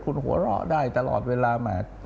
คุณหัวเราะได้ตลอดเวลามา